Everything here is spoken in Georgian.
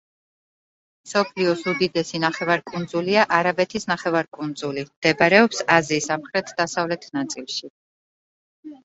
მსოფლიოს უდიდესი ნახევარკუნძულია არაბეთის ნახევარკუნძული, მდებარეობს აზიის სამხრეთ-დასავლეთ ნაწილში.